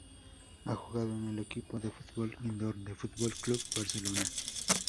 Ha jugado en el equipo de fútbol indoor del Fútbol Club Barcelona.